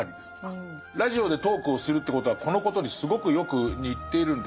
ラジオでトークをするってことはこのことにすごくよく似てるんです。